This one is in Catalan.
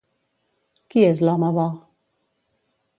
Qui és l'home bo?